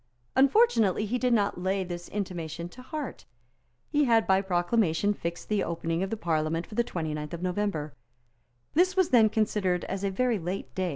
Unfortunately he did not lay this intimation to heart. He had by proclamation fixed the opening of the Parliament for the 29th of November. This was then considered as a very late day.